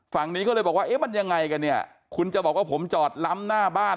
ฝั่งนี้ก็เลยบอกว่าเอ๊ะมันยังไงกันเนี่ยคุณจะบอกว่าผมจอดล้ำหน้าบ้าน